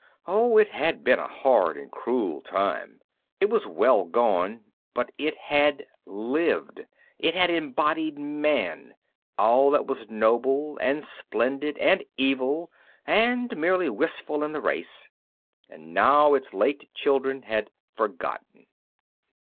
Oh, it had been a hard and cruel time; it was well gone but it had lived. It had embodied man, all that was noble and splendid and evil and merely wistful in the race, and now its late children had forgotten.